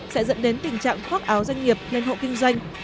sẽ dẫn đến tình trạng khoác áo doanh nghiệp lên hộ kinh doanh